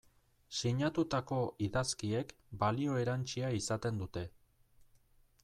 Sinatutako idazkiek balio erantsia izaten dute.